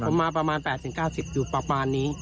ผมมาประมาณ๘๙๐อยู่ประมาณนี้